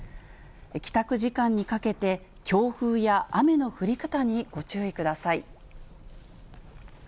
帰宅時間にかけて、強風や雨の降り方にご注意ください。